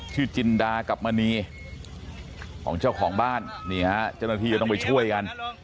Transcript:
จินดากับมณีของเจ้าของบ้านนี่ฮะเจ้าหน้าที่ก็ต้องไปช่วยกัน